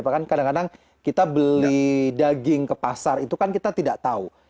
karena kadang kadang kita beli daging ke pasar itu kan kita tidak tahu